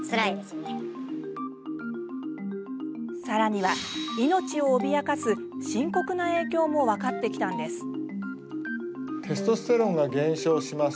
さらには、命を脅かす深刻な影響も分かってきたんです。